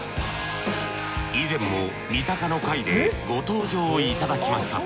以前も三鷹の回でご登場いただきました。